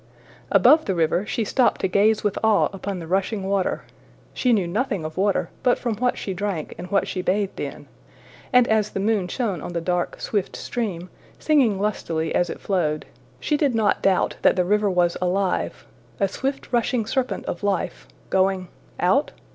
Above the river she stopped to gaze with awe upon the rushing water. She knew nothing of water but from what she drank and what she bathed in; and as the moon shone on the dark, swift stream, singing lustily as it flowed, she did not doubt the river was alive, a swift rushing serpent of life, going out?